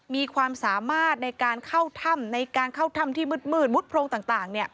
มีความสามารถในการเข้าถ้ำในการเข้าถ้ำที่มืดมุดโพรงต่าง